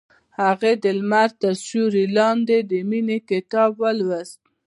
هغې د لمر تر سیوري لاندې د مینې کتاب ولوست.